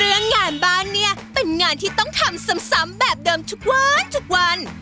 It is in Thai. เรื่องงานบ้านเนี่ยเป็นงานที่ต้องทำซ้ำแบบเดิมทุกวันทุกวัน